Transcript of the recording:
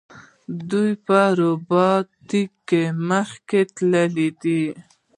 دوی په روباټیک کې مخکې تللي دي.